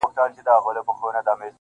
الله دي تا پر چا مین کړي-